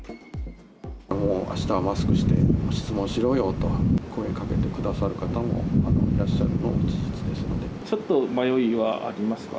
もうあしたはマスクして質問しろよと声かけてくださる方もいちょっと迷いはありますか？